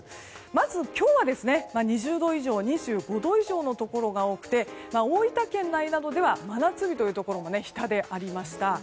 まず、今日は２０度以上２５度以上のところが多くて大分県内などでは真夏日というところも日田でありました。